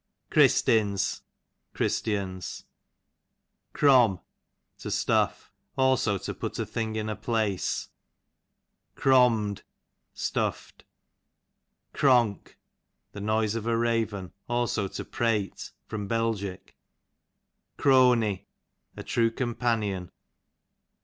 Christins, christians. Crom, to stuff; also to put a thing in a place. Cromm'd, stuff' d. Cronk, the noise of a raven ; also to prate. Bel. Crony, a true companion.